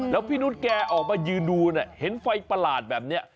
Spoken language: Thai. แล้วพี่นุษย์แกออกมายืนดูเนี่ยเห็นไฟประหลาดแบบนี้